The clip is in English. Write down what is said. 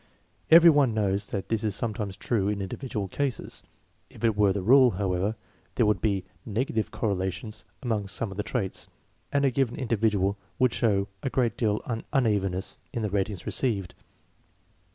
Every one knows that this is sometimes true in individual cases. If it were the rule, however, there would be negative correlations among some of the traits, and a given individual would show a great deal of unevenness in the ratings received.